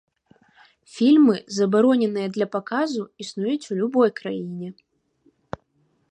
Фільмы, забароненыя для паказу, існуюць у любой краіне.